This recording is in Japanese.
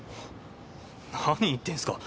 何言ってるんですか。